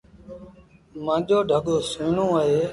مآݩجو ڍڳو سُهيٚڻون اهي۔